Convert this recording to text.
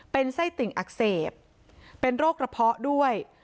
เป็นไส้ติ่งอักเสบเป็นโรคกระเพาะด้วย